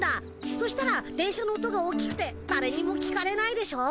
そしたら電車の音が大きくてだれにも聞かれないでしょ。